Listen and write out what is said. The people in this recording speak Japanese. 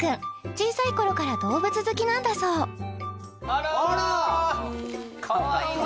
小さい頃から動物好きなんだそうあらかわいいね！